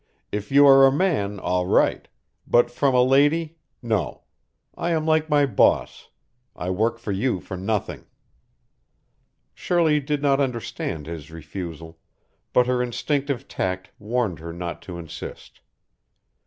"If you are a man all right. But from a lady no. I am like my boss. I work for you for nothing." Shirley did not understand his refusal, but her instinctive tact warned her not to insist.